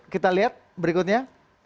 kita lihat berikutnya